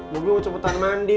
mungkin mau cepetan mandi